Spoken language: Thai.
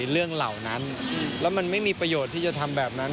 เรื่องเหล่านั้นแล้วมันไม่มีประโยชน์ที่จะทำแบบนั้น